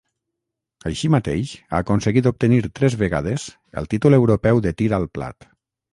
Així mateix ha aconseguit obtenir tres vegades el títol europeu de tir al plat.